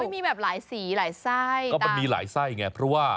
มีแบบหลายสีหลายไส้ก็มันมีหลายไส้ไงเพราะว่า